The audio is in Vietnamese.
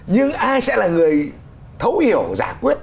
nhưng ai sẽ là người thấu hiểu giả quyết